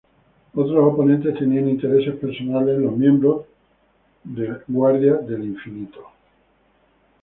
Otros oponentes tenían intereses personales en los miembros de Guardia del Infinito.